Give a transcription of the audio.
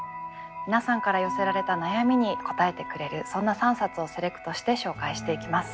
皆さんから寄せられた悩みに答えてくれるそんな３冊をセレクトして紹介していきます。